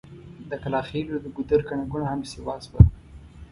د کلاخېلو د ګودر ګڼه ګوڼه هم سيوا شوه.